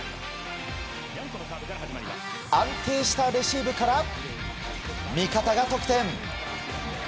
安定したレシーブから味方が得点。